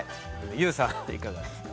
ＹＯＵさんいかがですか？